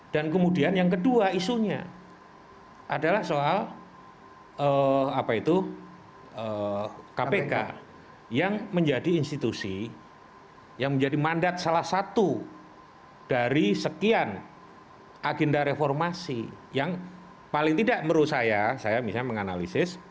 dan kemudian yang kedua isunya adalah soal kpk yang menjadi institusi yang menjadi mandat salah satu dari sekian agenda reformasi yang paling tidak menurut saya saya misalnya menganalisis